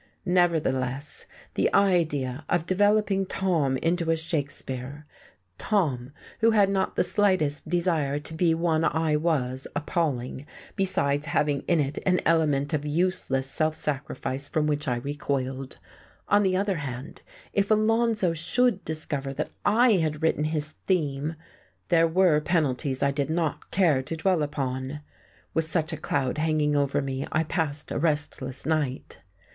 Nevertheless, the idea of developing Tom into a Shakespeare, Tom, who had not the slightest desire to be one I was appalling, besides having in it an element of useless self sacrifice from which I recoiled. On the other hand, if Alonzo should discover that I had written his theme, there were penalties I did not care to dwell upon.... With such a cloud hanging over me I passed a restless night.